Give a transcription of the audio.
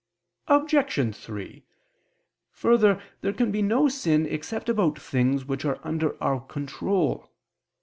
Obj. 3: Further, there can be no sin except about things which are under our control.